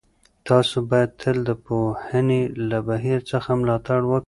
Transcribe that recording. تاسو باید تل د پوهنې له بهیر څخه ملاتړ وکړئ.